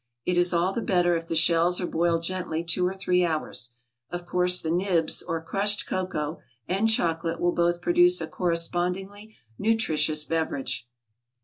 It is all the better if the shells are boiled gently two or three hours. Of course the nibs, or crushed cocoa, and chocolate, will both produce a correspondingly nutritious beverage.